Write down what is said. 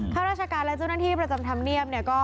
เข้าราชการและเจ้านทธิประจำธรรมเนี้ยมนี่ก็